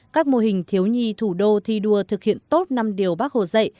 các mô hình thiếu nhi thủ đô thi đua thực hiện tốt năm điều bác hồ dạy